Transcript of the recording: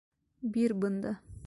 Бир бында!